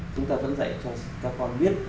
chúng ta vẫn dạy cho các con biết